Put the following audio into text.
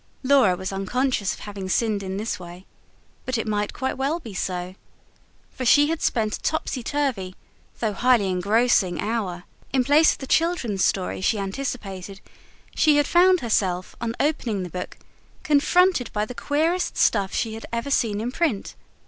Laura was unconscious of having sinned in this way. But it might quite well be so. For she had spent a topsy turvy, though highly engrossing hour. In place of the children's story she anticipated, she had found herself, on opening the book, confronted by the queerest stuff she had ever seen in print.